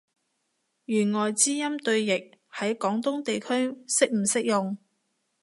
弦外之音對譯，喺廣東地區適唔適用？